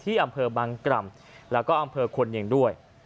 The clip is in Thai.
ที่อำเภอบางกรรมและก็อำเภอขวนเนียงด้วย